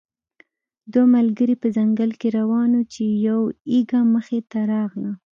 دوه ملګري په ځنګل کې روان وو چې یو یږه مخې ته راغله.